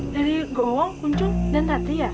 dari goong kunjung dan rati ya